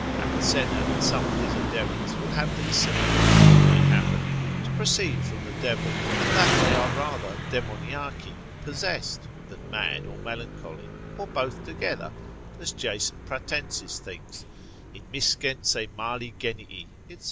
Avicenna and some of his adherents will have these symptoms, when they happen, to proceed from the devil, and that they are rather demoniaci, possessed, than mad or melancholy, or both together, as Jason Pratensis thinks, Immiscent se mali genii, &c.